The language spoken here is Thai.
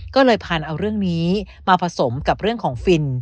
ก็เลยพันเอาเรื่องนี้มาผสมกับเรื่องของฟิน